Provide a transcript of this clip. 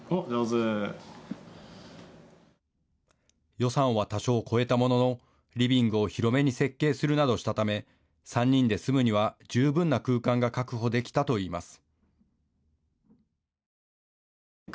予算は多少超えたもののリビングを広めに設計するなどしたため３人で住むには十分な空間が確保できたといいます。